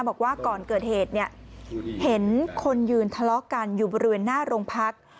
บอกว่าก่อนเกิดเหตุเนี่ยเห็นคนยืนทะเลาะกันอยู่บริเวณหน้าโรงพัก